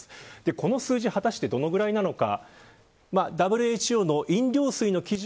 この数字が果たしてどのくらいなのか。